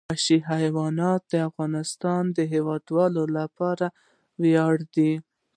وحشي حیوانات د افغانستان د هیوادوالو لپاره ویاړ دی.